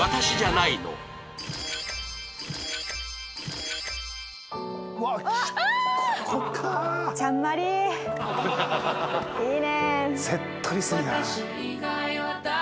いいね。